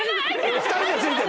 ２人でついてる！